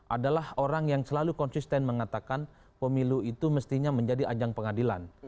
adalah orang yang selalu konsisten mengatakan pemilu itu mestinya menjadi ajang pengadilan